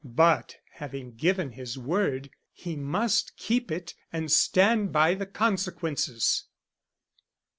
But having given his word he must keep it and stand by the consequences.